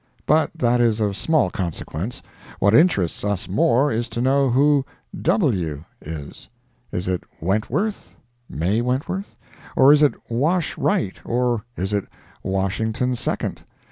But that is of small consequence—what interests us more is to know who "W_____" is. Is it Wentworth (May Wentworth? ) or is it Wash Wright? or is it Washington Second?